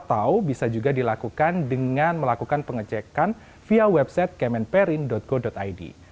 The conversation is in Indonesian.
atau bisa juga dilakukan dengan melakukan pengecekan via website kemenperin go id